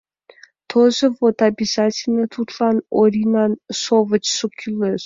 Тожо, вот обязательно тудлан Оринан шовычшо кӱлеш!